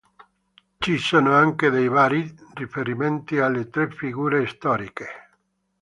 Ci sono anche dei vari riferimenti alle tre figure storiche.